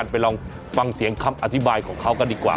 ไปลองฟังเสียงคำอธิบายของเขากันดีกว่า